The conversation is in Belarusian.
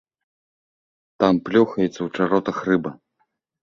Там плёхаецца ў чаротах рыба.